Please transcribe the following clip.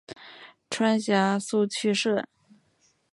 川陕苏区设。